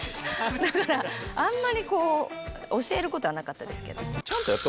だからあんまりこう教えることはなかったですけど。